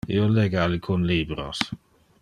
Io lege alicun libros.